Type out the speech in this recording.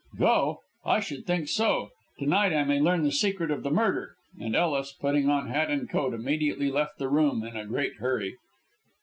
"Go? I should think so. To night I may learn the secret of the murder," and Ellis, putting on hat and coat, immediately left the room in a great hurry.